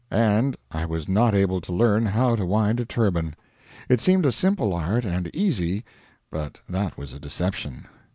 And I was not able to learn how to wind a turban. It seemed a simple art and easy; but that was a deception.